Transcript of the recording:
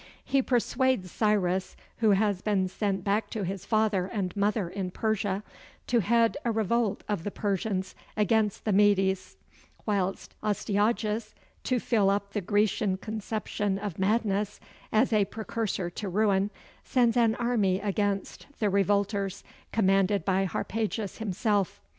He persuades Cyrus, who has been sent back to his father and mother in Persia, to head a revolt of the Persians against the Medes; whilst Astyages to fill up the Grecian conception of madness as a precursor to ruin sends an army against the revolters, commanded by Harpagus himself.